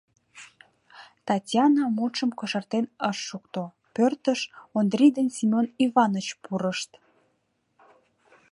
Татьяна мутшым кошартен ыш шукто, пӧртыш Ондрий ден Семён Иваныч пурышт.